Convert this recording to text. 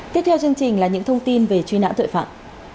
tiếp theo chương trình là những thông tin về truy nã tội phạm